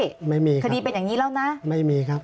ไม่มีครับไม่มีครับคดีเป็นอย่างนี้แล้วนะ